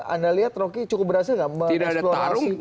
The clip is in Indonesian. anda lihat rocky cukup berhasil nggak mengeksplorasi